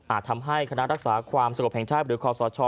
อาจทำให้คณะรักษาความส่วนกับแผ่งชาติหรือข้อสรชอ